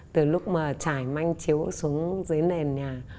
từ lúc mà trải manh chiếu xuống dưới nền nhà